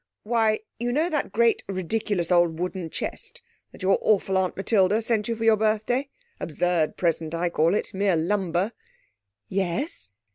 'Why you know that great ridiculous old wooden chest that your awful Aunt Matilda sent you for your birthday absurd present I call it mere lumber.' 'Yes?'